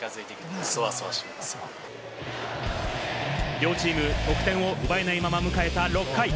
両チーム得点を奪えないまま、迎えた６回。